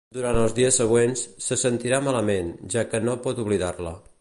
Durant els dies següents, se sentirà malament, ja que no pot oblidar-la.